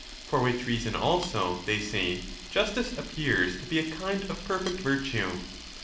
For which reason also, they say, justice appears to be a kind of perfect virtue.